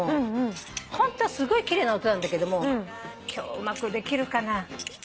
ホントはすごい奇麗な音なんだけども今日うまくできるかな？